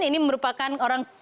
ini merupakan orang